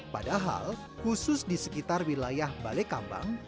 padahal khusus di sekitar wilayah balai kambang